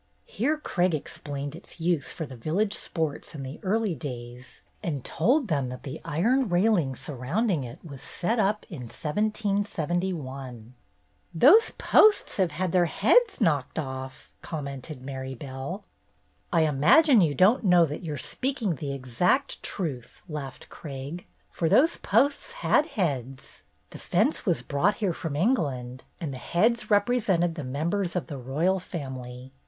Here Craig explained its use for the village sports in the early days, and told them that the iron railing surrounding it was set up in 1771. "Those posts have had their heads knocked off,'' commented Marybelle. "I imagine you don't know that you 're speaking the exact truth," laughed Craig, "for those posts had heads. The fence was brought here from England, and the heads represented the members of the royal family.